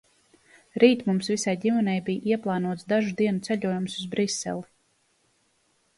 Rīt mums visai ģimenei bija ieplānots dažu dienu ceļojums uz Briseli.